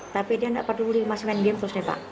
tapi dia nggak peduli masih main game terus pak